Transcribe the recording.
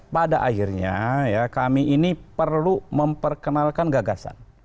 pada akhirnya ya kami ini perlu memperkenalkan gagasan